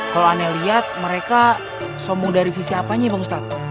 kalau anda lihat mereka sombong dari sisi apanya bang ustadz